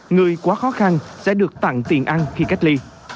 người quá khó khăn sẽ được tặng tiền ăn khi cách ly